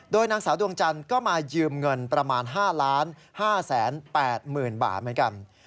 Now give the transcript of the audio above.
นางสาวดวงจันทร์ก็มายืมเงินประมาณ๕๕๘๐๐๐บาทเหมือนกัน